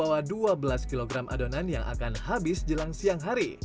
kuih berdasarkan anggaran dessa d jillian